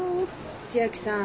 千明さん。